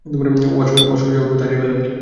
ওয়াশরুমে যাওয়ার পথ হারিয়ে ফেললে নাকি?